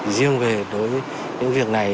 riêng về đối với những việc này